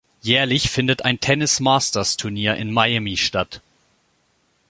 Jährlich findet ein Tennis-Masters-Turnier in Miami statt.